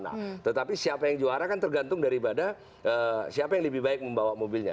nah tetapi siapa yang juara kan tergantung daripada siapa yang lebih baik membawa mobilnya